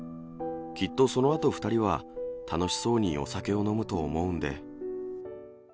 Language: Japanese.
きっとそのあと２人は、楽しそうにお酒を飲むと思うんで。